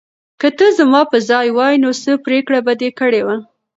که ته زما په ځای وای، نو څه پرېکړه به دې کړې وه؟